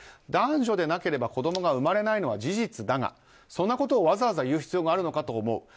男女でなければ子供が生まれないのは事実だがわざわざ言う必要があるのかと思う。